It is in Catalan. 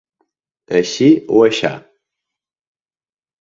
Així o aixà.